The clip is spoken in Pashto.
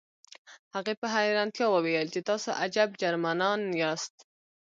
هغې په حیرانتیا وویل چې تاسې عجب جرمنان یاست